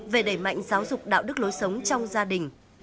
về đẩy mạnh giáo dục đạo đức lối sống trong gia đình